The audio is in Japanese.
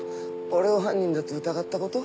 俺を犯人だと疑ったこと？